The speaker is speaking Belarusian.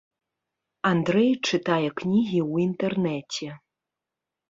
Андрэй чытае кнігі ў інтэрнэце.